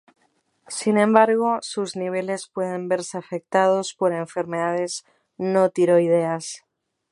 Sin embargo, sus niveles pueden verse afectados por enfermedades no tiroideas.